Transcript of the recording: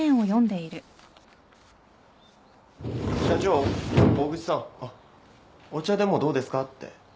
社長大口さんお茶でもどうですかって。